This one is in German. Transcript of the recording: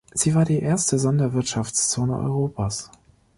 Sie war die erste Sonderwirtschaftszone Europas.